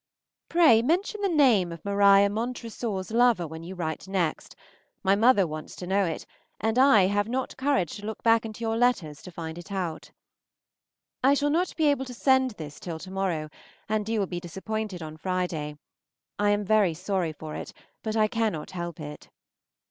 Pray mention the name of Maria Montresor's lover when you write next. My mother wants to know it, and I have not courage to look back into your letters to find it out. I shall not be able to send this till to morrow, and you will be disappointed on Friday; I am very sorry for it, but I cannot help it.